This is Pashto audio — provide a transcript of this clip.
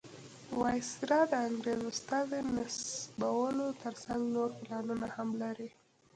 وایسرا د انګریز استازي نصبولو تر څنګ نور پلانونه هم لري.